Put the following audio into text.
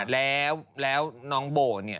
แล้วแล้วน้องโบ่เนี่ย